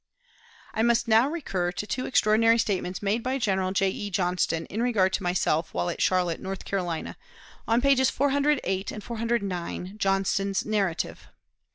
I must now recur to two extraordinary statements made by General J. E. Johnston in regard to myself while at Charlotte, North Carolina, on pages 408 and 409, Johnston's "Narrative."